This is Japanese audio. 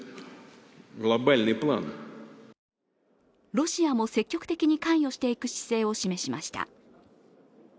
ロシアも積極的に関与していく姿勢を示しました。